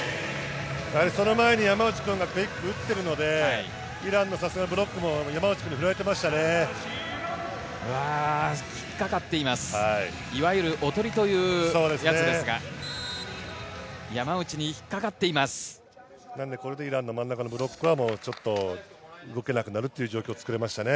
その前に山内君がクイック打っているのでイランのさすがにブロックも山内君に振られていましたね。